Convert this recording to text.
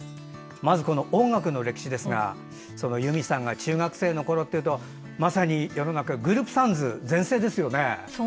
音楽の歴史ですが由実さんが中学生のころっていうとまさに世の中グループサウンズが全盛ですよね。